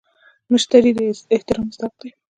مشتري د احترام مستحق دی.